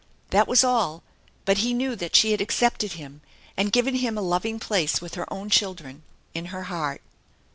That was all, but he knew that she had accepted him and given him a loving place with her own children in her heart.